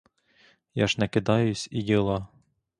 Я ж не кидаюсь і діла.